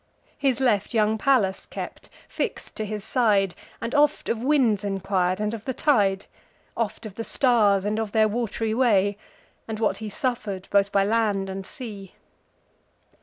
His left young Pallas kept, fix'd to his side, And oft of winds enquir'd, and of the tide; Oft of the stars, and of their wat'ry way; And what he suffer'd both by land and sea.